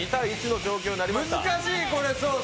２−１の状況になりました。